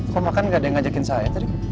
kok makan gak ada yang ngajakin saya